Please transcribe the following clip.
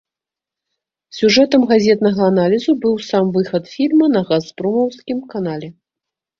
Сюжэтам газетнага аналізу быў сам выхад фільма на газпромаўскім канале.